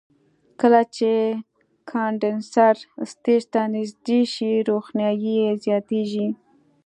کله چې کاندنسر سټیج ته نږدې شي روښنایي یې زیاتیږي.